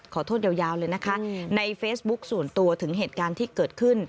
ขอโทษยาวเลยนะคะในเฟซบุ๊คส่วนตัวถึงเหตุการณ์ที่เกิดขึ้น